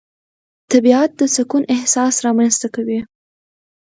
طبیعت د سکون احساس رامنځته کوي